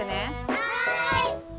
はい！